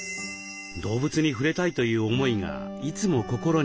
動物にふれたいという思いがいつも心にありました。